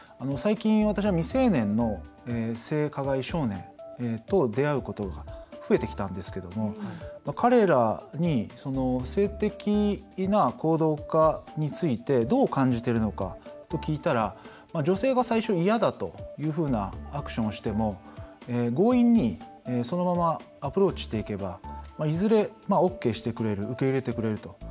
最近、私は未成年の性加害少年と出会うことが増えてきたんですが彼らに性的な行動化についてどう感じているのかを聞いたら女性が最初嫌だというふうなアクションをしても、強引にそのままアプローチしていけばいずれＯＫしてくれる受け入れてくれると。